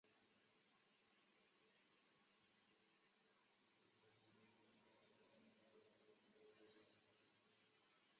它是一种于以前美洲农业上使用的土壤熏蒸剂。